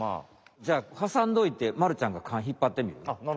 じゃあはさんどいてまるちゃんがかんひっぱってみる？